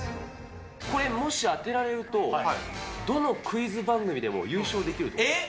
これ、もし当てられると、どのクイズ番組でも優勝できると思いまえ？